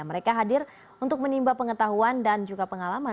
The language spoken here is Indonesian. mereka hadir untuk menimba pengetahuan dan juga pengalaman